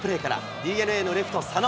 ＤｅＮＡのレフト、佐野。